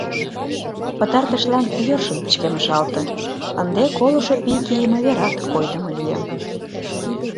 Пытартышлан йӧршын пычкемышалте, ынде колышо пий кийыме верат койдымо лие.